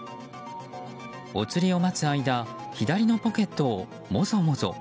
お釣りを待つ間左のポケットをもぞもぞ。